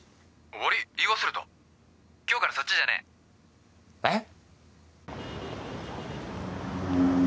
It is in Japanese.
☎悪い言い忘れた今日からそっちじゃねええっ？